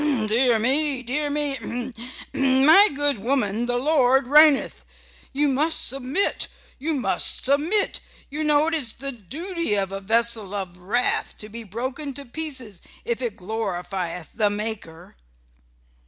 "Dear me! Dear me h m! h m! My good woman, the Lord reigneth. You must submit; you must submit. You know it is the duty of a vessel of wrath to be broken to pieces if it glorifieth the Maker."